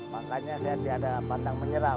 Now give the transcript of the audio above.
makanya saya tidak ada pandang menyerah